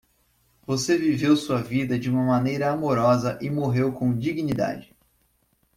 Você viveu sua vida de uma maneira amorosa e morreu com dignidade.